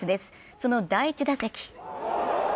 その第１打席。